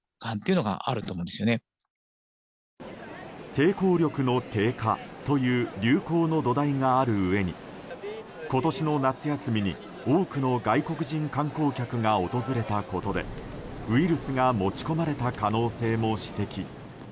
抵抗力の低下という流行の土台があるうえに今年の夏休みに、多くの外国人観光客が訪れたことでウイルスが持ち込まれた可能性も指摘。